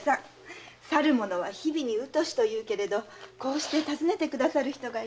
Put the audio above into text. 「去る者は日々に疎し」というけれどこうして訪ねてくださる人がいる。